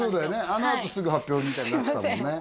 あのあとすぐ発表みたいになってたもんね